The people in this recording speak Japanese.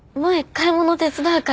買い物手伝うから。